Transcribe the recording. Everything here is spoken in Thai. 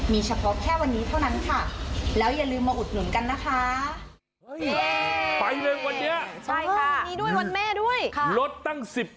มีเฉพาะแค่วันนี้เท่านั้นค่ะ